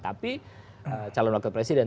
tapi calon wakil presiden